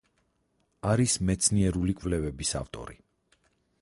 არის მეცნიერული კვლევების ავტორი.